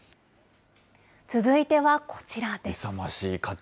続いてはこちらです。